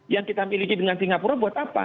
yang kita miliki dengan singapura buat apa